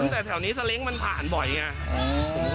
ครับผม